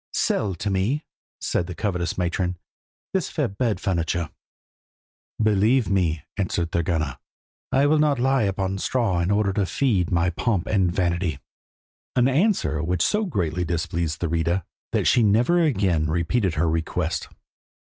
"Sell to me," said the covetous matron, "this fair bed furniture." "Believe me," answered Thorgunna, "I will not lie upon straw in order to feed thy pomp and vanity;" an answer which so greatly displeased Thurida that she never again repeated her request.